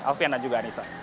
alfie anda juga anissa